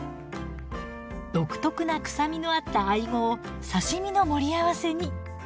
独特な臭みのあったアイゴを刺身の盛り合わせに。